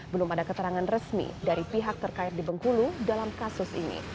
belum ada keterangan resmi dari pihak terkait di bengkulu dalam kasus ini